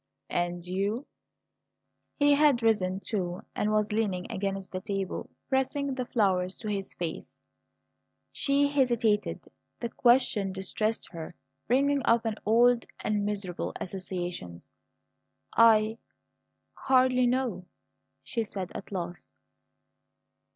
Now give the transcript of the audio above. "And you?" He had risen too, and was leaning against the table, pressing the flowers to his face. She hesitated. The question distressed her, bringing up old and miserable associations. "I hardly know," she said at last.